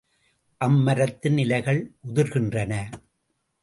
அம்மரத்தின் இலைகள் உதிர்கின்றன.